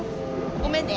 ごめんね。